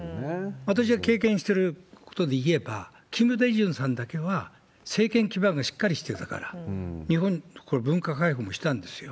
私が経験してることでいえば、キム・デジュンさんだけは、政権基盤がしっかりしてたから、日本との文化改革をしたんですよ。